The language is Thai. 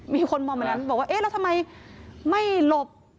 มีคนมองแบบนั้นบอกว่าเอ๊ะแล้วทำไมไม่หลบ